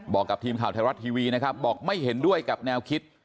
บอกกับทีมข่าวไทยรัฐทีวีนะครับบอกไม่เห็นด้วยกับแนวคิด